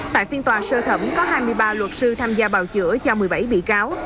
tại phiên tòa sơ thẩm có hai mươi ba luật sư tham gia bào chữa cho một mươi bảy bị cáo